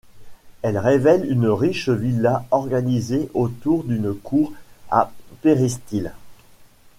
Elles révèlent une riche villa organisée autour d'une cour à péristyle.